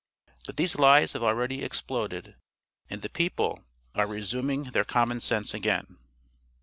But these lies have already exploded, and the people are resuming their common sense again.